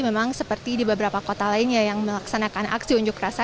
memang seperti di beberapa kota lainnya yang melaksanakan aksi unjuk rasa